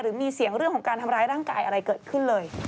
มีเสียงเรื่องของการทำร้ายร่างกายอะไรเกิดขึ้นเลย